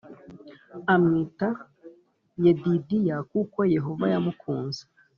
Amwita Yedidiya kuko Yehova yamukunze